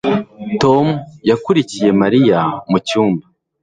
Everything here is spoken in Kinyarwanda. Tom yakurikiye Mariya mu cyumba